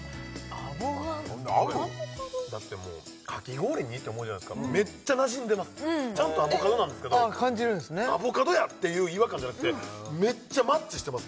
アボカドかき氷にって思うじゃないですかめっちゃなじんでますちゃんとアボカドなんですけど感じるんですねアボカドや！っていう違和感じゃなくてめっちゃマッチしてます